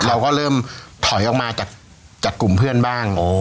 เราก็เริ่มถอยออกมาจากกลุ่มเพื่อนบ้าง